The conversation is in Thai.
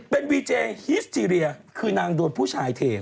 เป็นวีเจฮิสทีเรียคือนางโดนผู้ชายเท